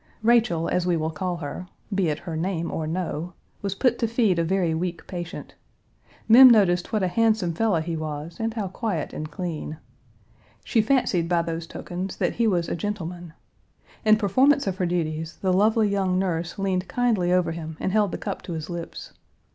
Rachel, as we will call her (be it her name or no), was put to feed a very weak patient. Mem noticed what a handsome fellow he was and how quiet and clean. She fancied by those tokens that he was a gentleman. In performance of her duties, the lovely young nurse leaned kindly over him and held the cup to his lips.